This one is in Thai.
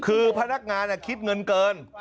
คือพนักงานคิดเงินเกิน